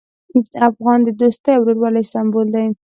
افغان د دوستي او ورورولۍ سمبول دی.